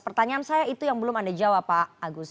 pertanyaan saya itu yang belum anda jawab pak agus